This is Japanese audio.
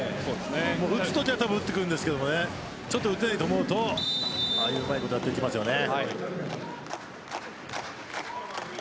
打つときは打ってくるんですけど打てないと思うとああいううまいこと、やってきますよね。